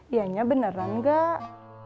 ianya beneran nggak